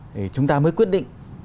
thì chúng ta mới quyết định